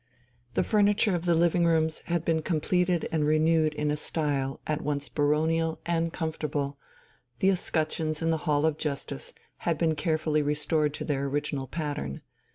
The furniture of the living rooms had been completed and renewed in a style at once baronial and comfortable; the escutcheons in the "Hall of Justice" had been carefully restored to their original pattern.